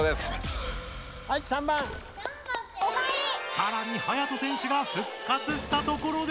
さらにはやと選手が復活したところで。